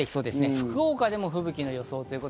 福岡でも吹雪の予想。